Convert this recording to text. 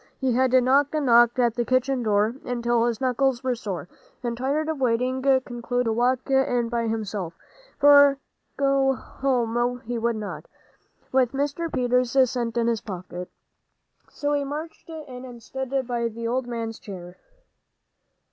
He had knocked and knocked at the kitchen door until his knuckles were sore, and tired of waiting, concluded to walk in by himself; for go home he would not, with Mr. Peters' cent in his pocket. So he marched in and stood by the old man's chair.